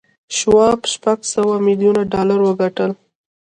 شواب شپږ سوه میلیون ډالر وګټل